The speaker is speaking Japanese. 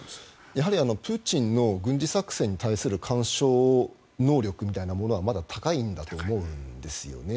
やはりプーチンの軍事作戦に対する干渉能力みたいなものはまだ高いんだと思うんですよね。